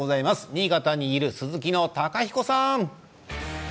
新潟にいる鈴木の貴彦さん。